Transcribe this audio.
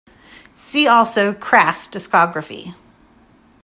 See also Crass discography.